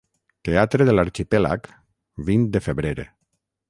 Teatre de l'Arxipèlag, vint de febrer.